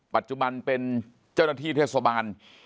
ปัจจุบันเป็นเจ้าหน้าที่เทศบาล